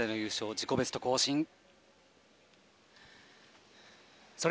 自己ベスト更新、鈴木。